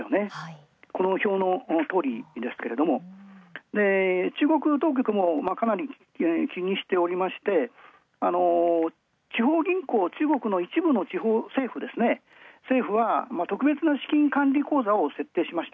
この表のとおりですけれども、中国当局もかなり気にしておりまして、地方銀行、中国の一部の政府は特別な資金管理口座を設定。